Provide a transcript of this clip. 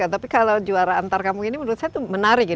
tapi kalau juara antar kampung ini menurut saya itu menarik ya